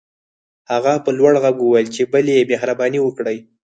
هغه په لوړ غږ وويل چې بلې مهرباني وکړئ.